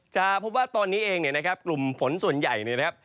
จะพบว่าตอนนี้เองนะครับกลุ่มฝนส่วนใหญ่นะครับ